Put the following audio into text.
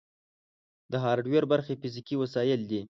د هارډویر برخې فزیکي وسایل دي.